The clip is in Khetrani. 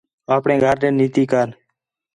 آپݨے گھر ݙے نیتی کر